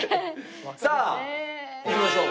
さあいきましょう。